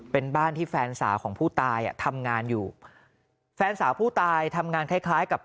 เป็นบ้านที่แฟนสาวของผู้ตายอ่ะทำงานอยู่แฟนสาวผู้ตายทำงานคล้ายคล้ายกับ